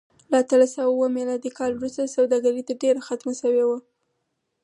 له اتلس سوه اووه کال وروسته سوداګري تر ډېره ختمه شوې وه.